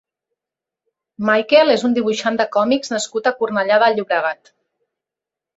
Maikel és un dibuixant de còmics nascut a Cornellà de Llobregat.